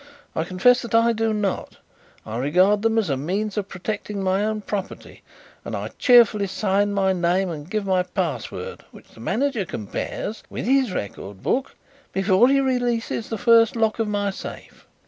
I confess that I do not. I regard them as a means of protecting my own property and I cheerfully sign my name and give my password, which the manager compares with his record book before he releases the first lock of my safe.